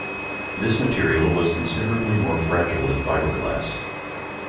This material was considerably more fragile than fiberglass.